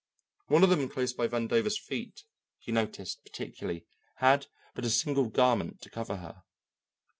One of them close by Vandover's feet, he noticed particularly, had but a single garment to cover her.